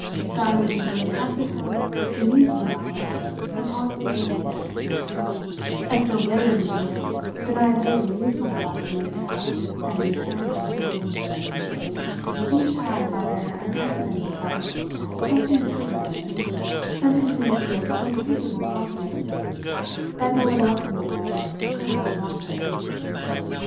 Guy Brissenden had become in these few hours her positive need a still greater need than I had lately amused myself with making out that he had found her. Each had, by their unprecedented plight, something for the other, some intimacy of unspeakable confidence, that no one else in the world could have for either.